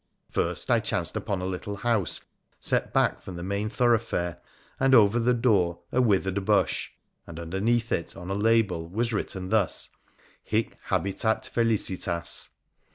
First, I chanced upon a little house set back from the main thorough fare, and over the door a withered bush, and, underneath it, on a label was written thus :— Hie Habitat Felicitas.